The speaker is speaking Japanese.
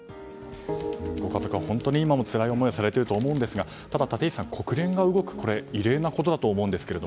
ご家族は本当に今もつらい思いをされていると思いますがただ、立石さん国連が動くのは異例なことだと思うんですが。